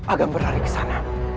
agam berlari ke sana